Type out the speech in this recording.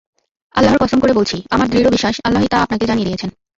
আল্লাহর কসম করে বলছি, আমার দৃঢ় বিশ্বাস, আল্লাহই তা আপনাকে জানিয়ে দিয়েছেন।